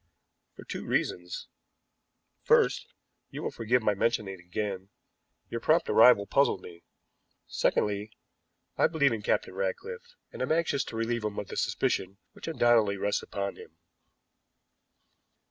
"For two reasons. First you will forgive my mentioning it again your prompt arrival puzzled me; secondly, I believe in Captain Ratcliffe, and am anxious to relieve him of the suspicion which undoubtedly rests upon him."